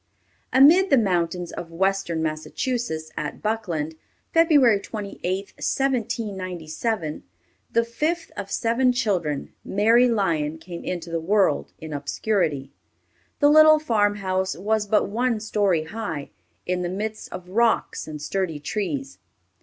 Amid the mountains of Western Massachusetts, at Buckland, Feb. 28, 1797, the fifth of seven children, Mary Lyon came into the world, in obscurity. The little farm house was but one story high, in the midst of rocks and sturdy trees.